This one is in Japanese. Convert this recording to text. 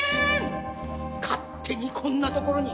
勝手にこんなところに！